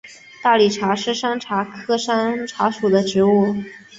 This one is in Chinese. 大理茶是山茶科山茶属的植物。